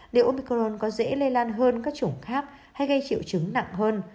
liệu omicron có dễ lây lan hơn các chủng khác hay gây triệu chứng nặng hơn